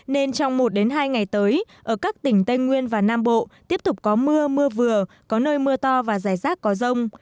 nên trong một hai ngày tới ở các tỉnh tây nguyên và nam bộ tiếp tục có mưa mưa vừa có nơi mưa to và rải rác có rông